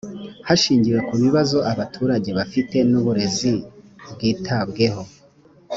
hashingiwe ku bibazo abaturage bafite n’uburezi bwitabweho